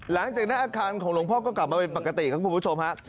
หลังจากนั้นอาคารของหลวงพ่อก็กลับมาเป็นปกติครับคุณผู้ชมฮะ